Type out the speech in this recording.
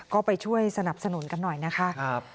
ก็ไปช่วยสนับสนุนกันหน่อยนะคะ